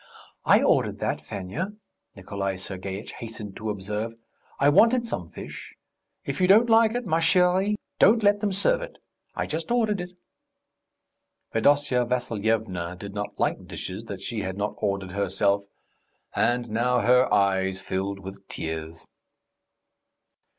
"I ordered that, Fenya," Nikolay Sergeitch hastened to observe. "I wanted some fish. If you don't like it, ma chère, don't let them serve it. I just ordered it...." Fedosya Vassilyevna did not like dishes that she had not ordered herself, and now her eyes filled with tears.